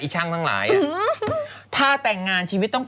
ชอบตัวนี้